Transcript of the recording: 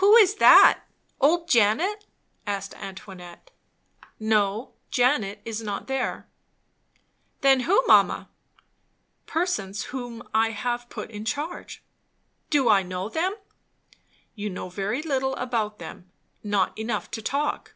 "Who is that? old Janet?" asked Antoinette. "No. Janet is not there?" "Who then, mamma?" "Persons whom I have put in charge." "Do I know them?" "You know very little about them not enough to talk."